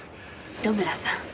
糸村さん。